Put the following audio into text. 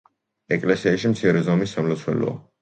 ეკლესიაში მცირე ზომის სამლოცველოა.